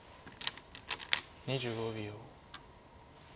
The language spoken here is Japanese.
２５秒。